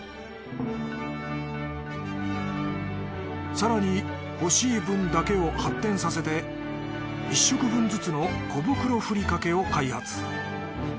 更に「欲しいぶんだけ」を発展させて一食分ずつの小袋ふりかけを開発。